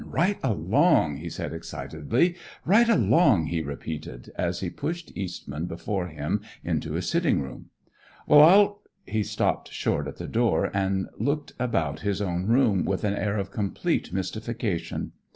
Right along!" he said excitedly. "Right along," he repeated as he pushed Eastman before him into his sitting room. "Well I'll " he stopped short at the door and looked about his own room with an air of complete mystification.